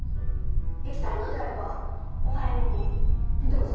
行きたいのであればお早めにどうぞ。